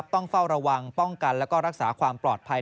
ต้องเฝ้าระวังป้องกันแล้วก็รักษาความปลอดภัย